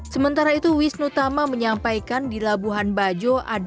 sementara itu wisnu tama menyampaikan di labuan bajo